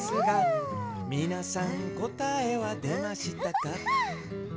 「みなさんこたえはでましたか？」